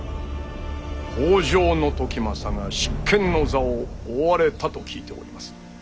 北条時政が執権の座を追われたと聞いております。